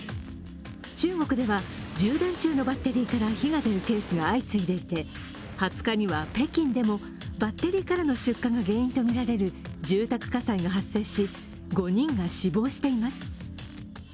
中国では充電中のバッテリーから火が出るケースが相次いでいて２０日には、北京でもバッテリーからの出火が原因とみられる住宅火災が発生し、５人が死亡しています。